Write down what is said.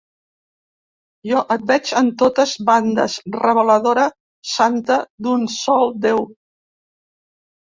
Jo et veig en totes bandes, reveladora santa d'un sol déu.